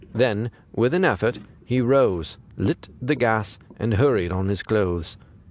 Then with an effort he rose, lit the gas, and hurried on his clothes.